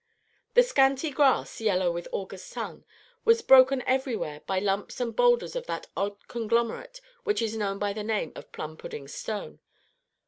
The scanty grass, yellow with August sun, was broken everywhere by lumps and boulders of that odd conglomerate which is known by the name of "plum pudding stone."